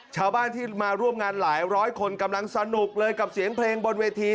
ชาวบ้านที่มาร่วมงานหลายร้อยคนกำลังสนุกเลยกับเสียงเพลงบนเวที